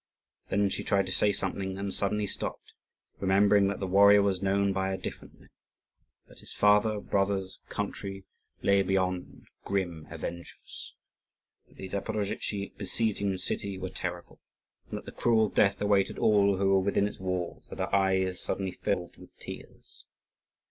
Then she tried to say something and suddenly stopped, remembering that the warrior was known by a different name; that his father, brothers, country, lay beyond, grim avengers; that the Zaporozhtzi besieging the city were terrible, and that the cruel death awaited all who were within its walls, and her eyes suddenly filled with tears.